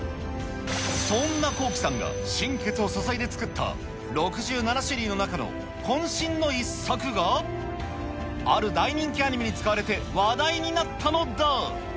そんな綱紀さんが心血を注いで作った６７種類の中のこん身の一作が、ある大人気アニメに使われて話題になったのだ。